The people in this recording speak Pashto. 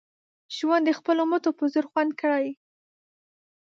ژوند د خپلو مټو په زور خوند کړي